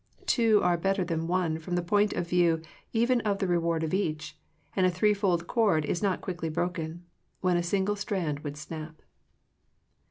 Two are better than one from the point of view even of the reward of each, and a threefold cord is not quickly broken, when a single strand would snap.